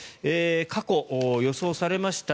過去、予想されました